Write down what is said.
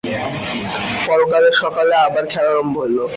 পরদিন সকালে আবার খেলা আরম্ভ হইল।